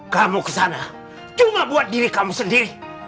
kamu ke sana cuma buat diri kamu sendiri